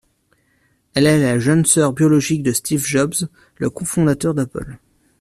Elle est la jeune sœur biologique de Steve Jobs, le cofondateur d'Apple.